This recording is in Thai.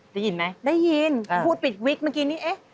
ได้ยินไหมได้ยินพูดปิดวิกเมื่อกี้นี้เอ๊ะ